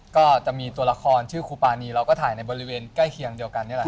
ก็จะมีตัวละครชื่อครูปานีเราก็ถ่ายในบริเวณใกล้เคียงเดียวกันนี่แหละ